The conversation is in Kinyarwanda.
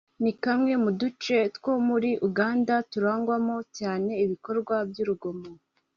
ni kamwe mu duce two muri Uganda turangwamo cyane ibikorwa by’urugomo